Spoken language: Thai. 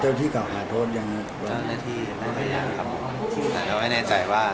จอดหน้าที่ก็ได้พยายามครับแต่ไม่แน่ใจว่า